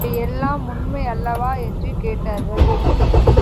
இவை எல்லாம் உண்மை அல்லவா? என்று கேட்டார்கள்.